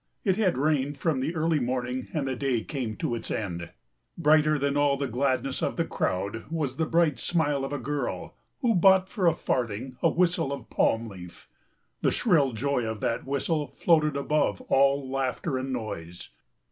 It had rained from the early morning and the day came to its end. Brighter than all the gladness of the crowd was the bright smile of a girl who bought for a farthing a whistle of palm leaf. The shrill joy of that whistle floated above all laughter and noise.